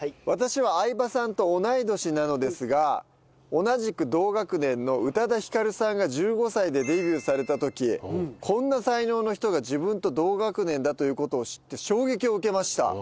私は相葉さんと同い年なのですが同じく同学年の宇多田ヒカルさんが１５歳でデビューされた時こんな才能の人が自分と同学年だという事を知って衝撃を受けました。